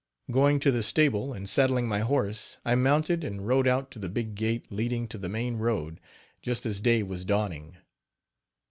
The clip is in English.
Going to the stable and saddling my horse, I mounted and rode out to the big gate leading to the main road, just as day was dawning.